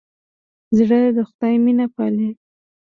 زړه د خدای مینه پالي.